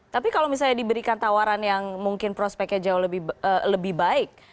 tapi kalau misalnya diberikan tawaran yang mungkin prospeknya jauh lebih baik